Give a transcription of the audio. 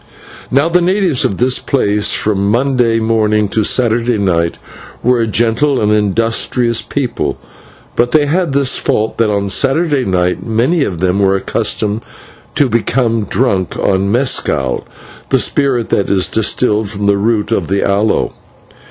Now the natives of this place, from Monday morning to Saturday night, were a gentle and industrious people, but they had this fault, that on the Saturday night many of them were accustomed to become drunk on /mescal/, the spirit that is distilled from the root of the aloe.